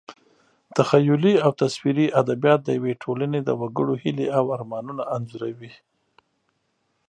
تخیلي او تصویري ادبیات د یوې ټولنې د وګړو هیلې او ارمانونه انځوروي.